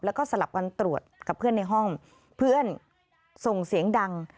แล้วก็สลับกันตรวจกับเพื่อนในห้องเพื่อนส่งเสียงดัง